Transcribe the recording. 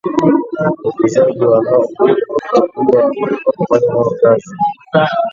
Wawekezaji wanao uhuru wa kuchagua wa kufanya nao kazi